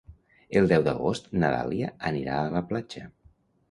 El deu d'agost na Dàlia anirà a la platja.